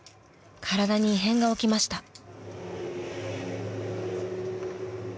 ［体に異変が起きました］